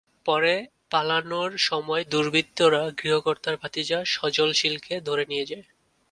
পরে পালানোর সময় দুর্বৃত্তরা গৃহকর্তার ভাতিজা সজল শীলকে ধরে নিয়ে যায়।